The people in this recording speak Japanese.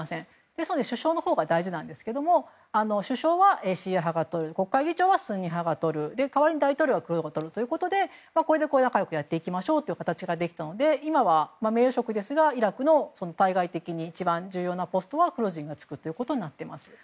ですので首相のほうが大事なんですけど首相はシーア派が国会議長はスンニ派国会はクルド派がというこれで仲良くなっていきましょうという形ができたので今は、名誉職ですがイラクの対外的に一番重要なポストにはクルド人が作っていることになっています。